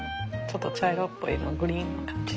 ちょっと茶色っぽい色グリーンな感じ。